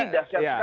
ini dah seharusnya